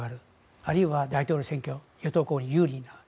あるいは大統領選挙与党候補が有利になる。